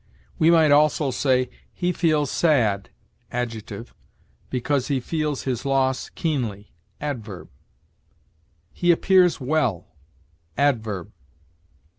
We might also say, "He feels sad [adjective], because he feels his loss keenly" (adverb); "He appears well" (adverb).